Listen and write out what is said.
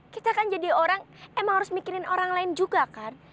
kita kan jadi orang emang harus mikirin orang lain juga kan